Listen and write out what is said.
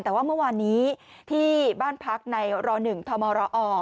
แต่ว่าเมื่อวานนี้ที่บ้านพักในร๑ทมรอ